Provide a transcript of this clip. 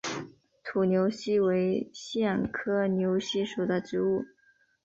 土牛膝为苋科牛膝属的植物。